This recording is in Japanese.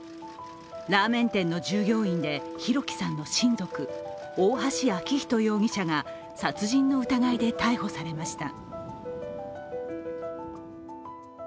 ラーメン店の従業員で弘輝さんの親族、大橋昭仁容疑者が殺人の疑いで逮捕されました。